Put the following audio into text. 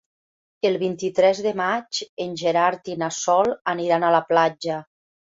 El vint-i-tres de maig en Gerard i na Sol aniran a la platja.